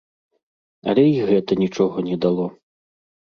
Але і гэта нічога не дало.